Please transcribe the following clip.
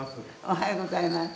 おはようございます。